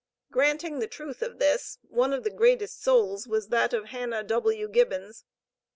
Granting the truth of this, one of the greatest souls was that of Hannah W. Gibbons.